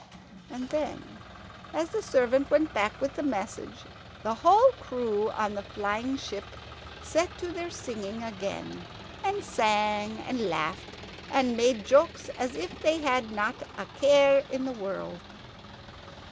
And then, as the servant went back with the message, the whole crew on the flying ship set to their singing again, and sang and laughed and made jokes as if they had not a care in the world.